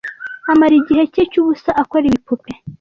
Amara igihe cye cyubusa akora ibipupe.